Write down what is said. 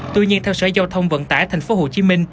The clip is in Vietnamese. tuy nhiên theo sở giao thông vận tải tp hcm